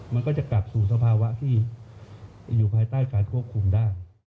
มันก็จะกลับสู่สภาวะที่อยู่ภายใต้การควบคุมได้